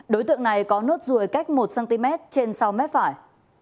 đối tượng này có nốt ruồi cách một cm trên sau mép phải